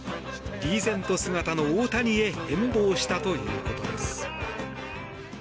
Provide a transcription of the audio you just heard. リーゼント姿の大谷へ変ぼうしたということです。